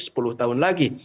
sepuluh tahun lagi